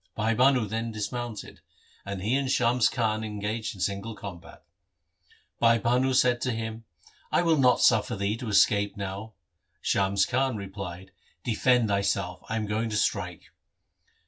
Bhai Bhanu then dismounted, and he and Shams Khan engaged in single combat. Bhai Bhanu said to him, ' I will not suffer thee to escape now.' Shams Khan replied, ' Defend thyself, I am going to strike.'